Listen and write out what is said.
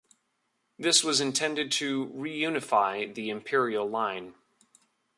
This was intended to reunify the Imperial Line.